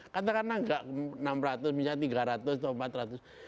katakanlah nggak enam ratus misalnya tiga ratus atau empat ratus